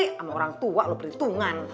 sama orang tua loh perhitungan